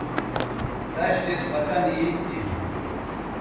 دش دِس پتن عید تھی